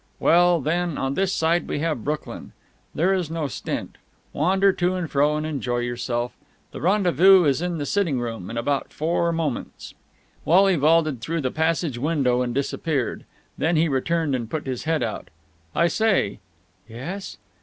"Well, then, on this side we have Brooklyn. There is no stint. Wander to and fro and enjoy yourself. The rendezvous is in the sitting room in about four moments." Wally vaulted through the passage window and disappeared. Then he returned and put his head out. "I say!" "Yes?"